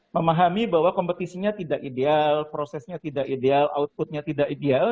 memahami bahwa kompetisinya tidak ideal prosesnya tidak ideal outputnya tidak ideal